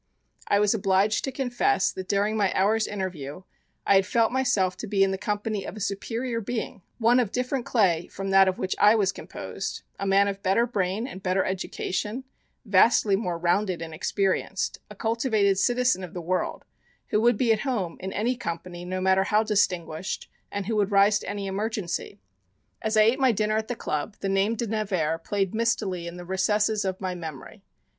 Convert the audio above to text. I was obliged to confess that during my hour's interview I had felt myself to be in the company of a superior being, one of different clay from that of which I was composed, a man of better brain, and better education, vastly more rounded and experienced, a cultivated citizen of the world, who would be at home in any company no matter how distinguished and who would rise to any emergency. As I ate my dinner at the club the name De Nevers played mistily in the recesses of my memory.